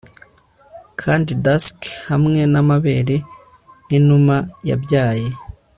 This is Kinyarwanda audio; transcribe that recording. Kandi Dusk hamwe namabere nkinuma yabyaye